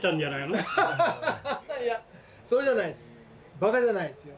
バカじゃないですよ。